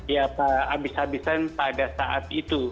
ya habis habisan pada saat itu